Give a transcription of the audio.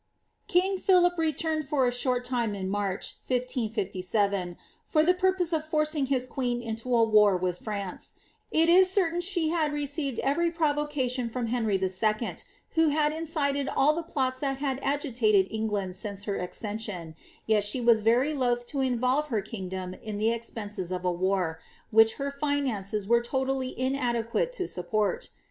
King Philip returned for a short time in March, 1557, for the purpose of forcing his queen into a war with France ; it is certain slie had re ceived every possible provocation from Henry H., who had incited all the plots that had agitated England since her accession ; yet she was very loth to involve her kingdom in the expenses of a war, which her finances were toUilly inadequate to support.